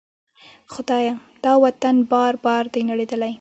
خدایه! دا وطن بار بار دی نړیدلی